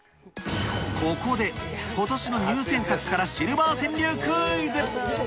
ここで、ことしの入選作からシルバー川柳クイズ。